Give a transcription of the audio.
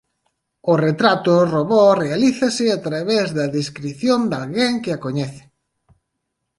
O retrato robot realízase a través da descrición de alguén que a coñece.